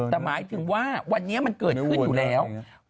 แต่หมายถึงว่าวันนี้มันเกิดขึ้นอยู่แล้ว